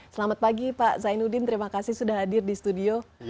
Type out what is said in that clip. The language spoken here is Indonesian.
selamat pagi pak zainuddin terima kasih sudah hadir di studio